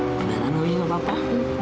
aku gak mau juga papa